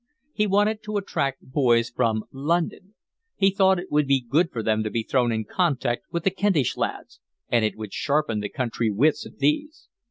He wanted to attract boys from London. He thought it would be good for them to be thrown in contact with the Kentish lads, and it would sharpen the country wits of these.